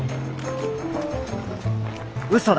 うそだ。